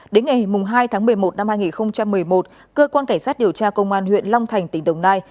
đến ngày hai tháng một mươi một năm hai nghìn một mươi một cơ quan cảnh sát điều tra công an huyện long thành tỉnh đồng nai